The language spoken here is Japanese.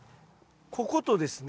こことですね